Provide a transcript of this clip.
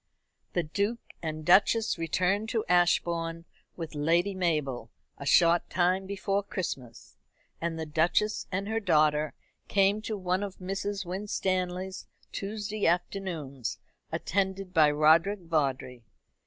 The Duke and Duchess returned to Ashbourne with Lady Mabel a short time before Christmas, and the Duchess and her daughter came to one of Mrs. Winstanley's Tuesday afternoons, attended by Roderick Vawdrey.